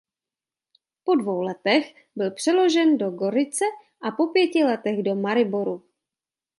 Pod dvou letech byl přeložen do Gorice a po pěti letech do Mariboru.